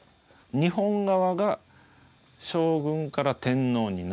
日本側が将軍から天皇になった。